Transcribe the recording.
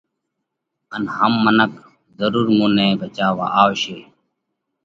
ان هم منک ضرُور مُون نئہ ڀچاوا آوشي۔